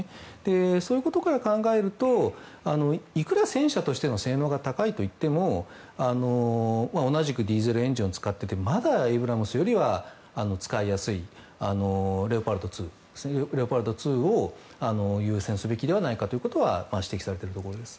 そういうことから考えるといくら戦車としての性能が高いといっても同じくディーゼルエンジンを使っていてまだエイブラムスよりは使いやすいレオパルト２を優先すべきではないかということが指摘されているところです。